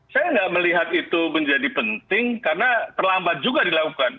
saya nggak melihat itu menjadi penting karena terlambat juga dilakukan